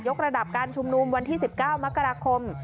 กระดับการชุมนุมวันที่๑๙มกราคม